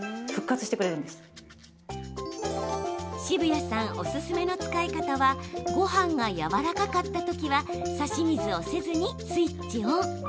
澁谷さんおすすめの使い方はごはんがやわらかかったときは差し水をせずにスイッチオン。